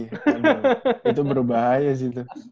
itu berbahaya sih itu